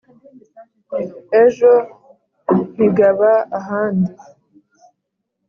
Ejo nkigaba ahandi,